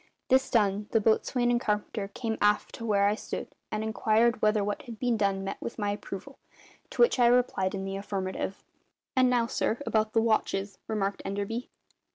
This done, the boatswain and carpenter came aft to where I stood and inquired whether what had been done met with my approval; to which I replied in the affirmative. "And now, sir, about the watches," remarked Enderby.